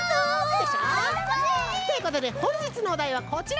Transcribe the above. でしょ？ということでほんじつのおだいはこちら！